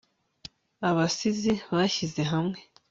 abasizi bashyize hamwe